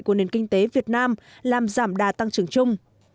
của nền kinh tế việt nam làm giảm đà tăng trưởng chung